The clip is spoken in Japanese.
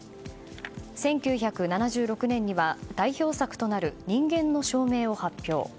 １９７６年には代表作となる「人間の証明」を発表。